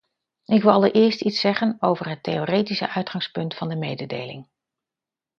Ik wil allereerst iets zeggen over het theoretische uitgangspunt van de mededeling.